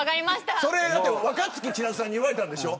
それ若槻千夏さんに言われたんでしょ。